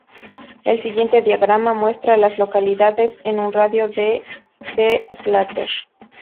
El siguiente diagrama muestra a las localidades en un radio de de Slater.